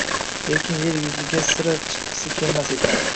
Lekin yer yuziga sira chiqqisi kelmas ekan.